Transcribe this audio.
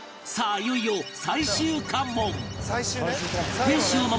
いよいよ最終関門